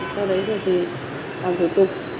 sau đấy thì làm thủ tục